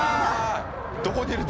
どこにいる？